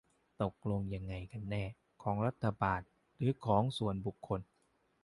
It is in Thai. ตกลงยังไงกันแน่ ของรัฐบาล หรือของส่วนบุคคล ?